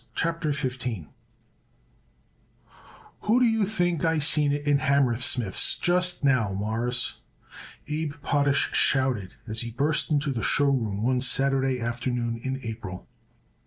_ CHAPTER XV "Who do you think I seen it in Hammersmith's just now, Mawruss?" Abe Potash shouted as he burst into the show room one Saturday afternoon in April.